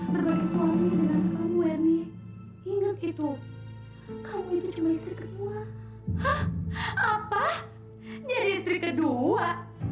berbagi suami dengan kamu ini ingat itu kamu itu cuma istri kedua apa jadi istri kedua